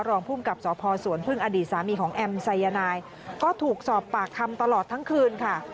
รองภูมิกับสพสวนพึ่งอดีตสามีของแอมไซยานายก็ถูกสอบปากคำตลอดทั้งคืนค่ะ